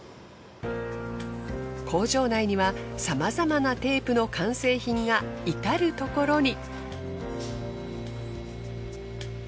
工場内にはさまざまなテープの完成品がいたるところに。